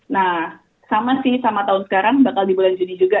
nah sama sih sama tahun sekarang bakal di bulan juni juga